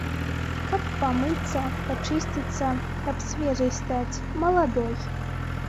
Каб памыцца, пачысціцца, каб свежай стаць, маладой.